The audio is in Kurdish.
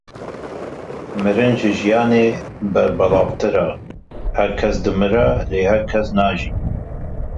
Mirin ji jiyanê berbelavtir e, her kes dimire, lê her kes najî.